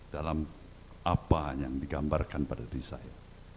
dalam apa yang digambarkan pada diri saya